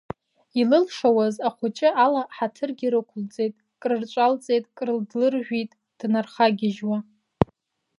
Илылшауаз ахәыҷы ала ҳаҭыргьы рықәлҵеит, крырҿалҵеит, крыдлыржәит днархагьежьуа.